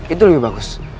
itu lebih bagus